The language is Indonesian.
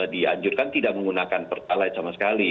dianjurkan tidak menggunakan pertalite sama sekali